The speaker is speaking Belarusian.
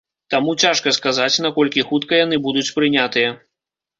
Таму цяжка сказаць, наколькі хутка яны будуць прынятыя.